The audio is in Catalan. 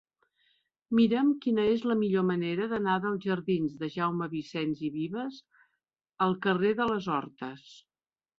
Mira'm quina és la millor manera d'anar dels jardins de Jaume Vicens i Vives al carrer de les Hortes.